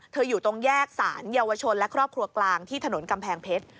อยู่ตรงแยกสารเยาวชนและครอบครัวกลางที่ถนนกำแพงเพชร